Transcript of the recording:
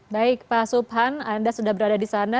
baik pak subhan anda sudah berada di sana